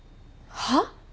はっ？